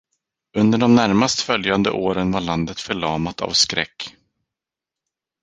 Under de närmast följande åren var landet förlamat av skräck.